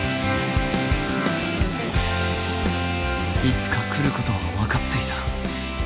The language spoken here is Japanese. いつか来ることは分かっていた